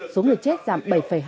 số người chết giảm bảy hai mươi bảy